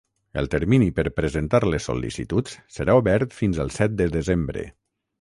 El termini per presentar les sol·licituds serà obert fins el set de desembre.